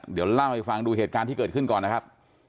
เดี๋ยวเล่าให้ฟังดูเหตุการณ์ที่เกิดขึ้นก่อนนะครับ